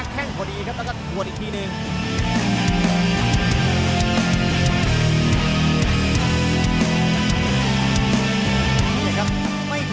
แค่งพอดีแต่ก็กวนอีกทีนึ่ง